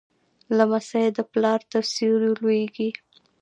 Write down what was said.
لمسی د پلار تر سیوري لویېږي.